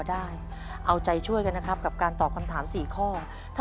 ถ้าตอบถูก๑ข้อรับ๕๐๐๐บาท